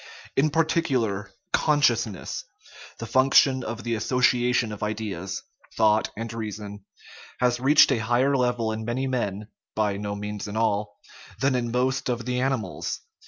In particular, consciousness the function of the association of ideas, thought, and reason has reached a higher level in many men (by no means in all) than in most of the animals.